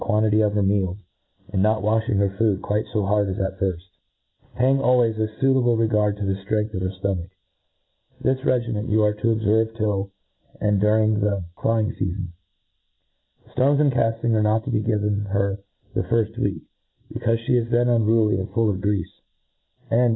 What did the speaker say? ^quantity of her meals, and not waihing her food quite fo hard as ^ firft, paying always a fuitable , regard to the ftrength of her ftomach. This^ rcn gimen you are to obfervc till, and during all the flying feafon. ., Stones and icafting are not t<> be given her the firft week, becaufe fhe is then unruly and full of greafe ; and